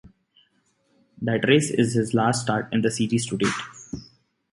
That race is his last start in the series to date.